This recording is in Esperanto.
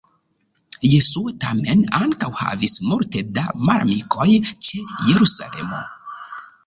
Jesuo tamen ankaŭ havis multe da malamikoj ĉe Jerusalemo.